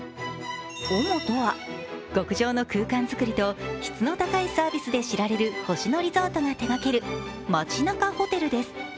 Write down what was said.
ＯＭＯとは極上の空間づくりと質の高いサービスで知られる星野リゾートが手がける「街ナカ」ホテル」です。